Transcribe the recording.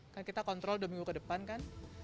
kan kita kontrol dua minggu ke depan kan